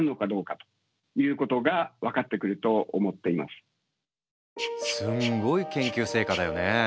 すんごい研究成果だよね。